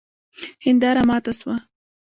هنداره ماته سوه